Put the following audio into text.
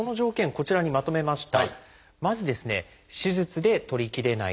こちらにまとめました。